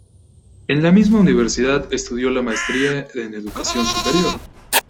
En la misma universidad estudió la Maestría en Educación Superior.